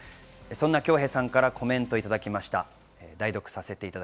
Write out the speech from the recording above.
そんな恭平さんからコメントをいただきました。